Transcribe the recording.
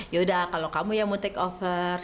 yaudah kalau kamu ya mau take over